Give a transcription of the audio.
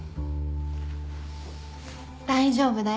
大丈夫だよ。